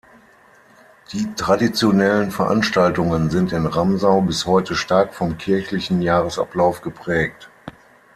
Die traditionellen Veranstaltungen sind in Ramsau bis heute stark vom kirchlichen Jahresablauf geprägt.